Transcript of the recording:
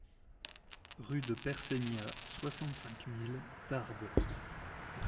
Rue de Perseigna, soixante-cinq mille Tarbes